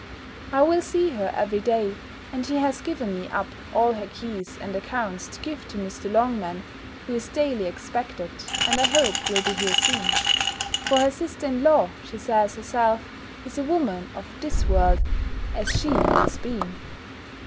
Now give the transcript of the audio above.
I will see her every day; and she has given me up all her keys, and accounts, to give to Mr. Longman, who is daily expected, and I hope will be here soon; for her sister in law, she says herself, is a woman of this world, as she has been.